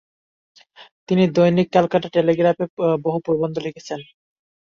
তিনি 'দৈনিক ক্যালকাটা টেলিগ্রাফ'-এ বহু প্রবন্ধ লিখেছেন।